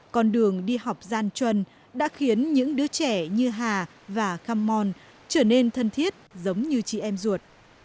con đường đi học gian chuân đã khiến những đứa trẻ như hà và khăm mon trở nên thân thiết giống như chị em ruột